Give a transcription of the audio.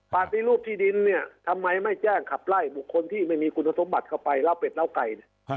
ปฏิรูปที่ดินทำไมไม่แจ้งขับไล่บุคคลที่ไม่มีคุณสมบัติเข้าไปล้าวเป็ดล้าวไก่